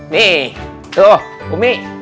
nih tuh umi